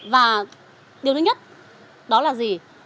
và điều thứ nhất đó là gì